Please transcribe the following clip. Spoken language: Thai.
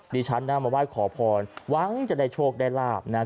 ดิฉันนะมาไหว้ขอพรหวังจะได้โชคได้ลาบนะฮะ